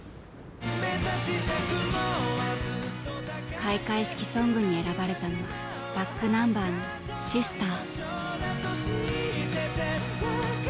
開会式ソングに選ばれたのはｂａｃｋｎｕｍｂｅｒの「ＳＩＳＴＥＲ」。